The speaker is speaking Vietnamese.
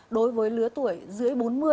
đối với lứa tuổi dưới bốn mươi